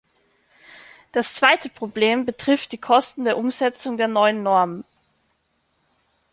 Das zweite Problem betrifft die Kosten der Umsetzung der neuen Normen.